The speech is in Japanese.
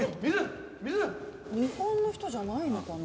日本の人じゃないのかな？